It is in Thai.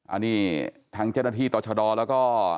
อันนี้ทางเจ้าหน้าที่ต่อชะดอแล้วก็